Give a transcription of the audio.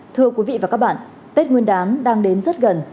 thưa quý vị và các bạn tết nguyên đán đang đến rất gần